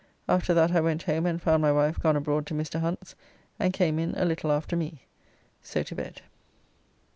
After that I went home and found my wife gone abroad to Mr. Hunt's, and came in a little after me. So to bed.